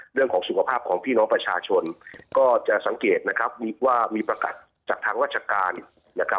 เรื่องของสุขภาพของพี่น้องประชาชนก็จะสังเกตนะครับมีว่ามีประกาศจากทางราชการนะครับ